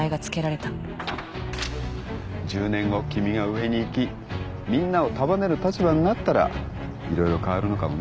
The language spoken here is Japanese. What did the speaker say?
１０年後君が上にいきみんなを束ねる立場になったら色々変わるのかもね。